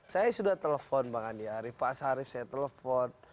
saya sudah telepon bang andi arief pak sarif saya telepon